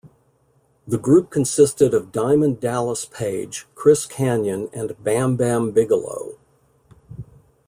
The group consisted of Diamond Dallas Page, Chris Kanyon and Bam Bam Bigelow.